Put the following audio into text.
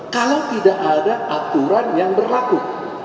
kalau tidak ada aturan yang berlaku